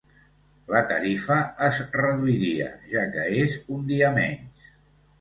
la tarifa es reduiria, ja que és un dia menys.